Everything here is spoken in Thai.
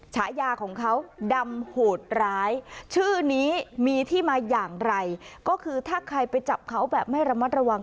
ฉายาของเขาดำโหดร้ายชื่อนี้มีที่มาอย่างไรก็คือถ้าใครไปจับเขาแบบไม่ระมัดระวัง